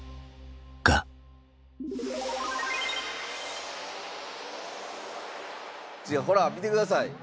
がほら見てください。